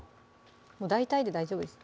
もう大体で大丈夫です